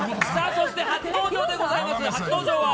そして初登場でございます。